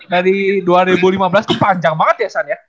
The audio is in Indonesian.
dari dua ribu lima belas itu panjang banget ya san ya